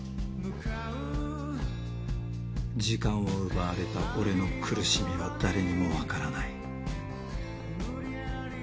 時間を奪われた俺の苦しみは誰にもわからない。